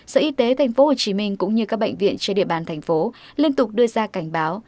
sở y tế tp hcm cũng như các bệnh viện trên địa bàn thành phố liên tục đưa ra cảnh báo